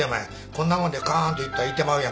こんな物でカーンといったらいってまうやんか。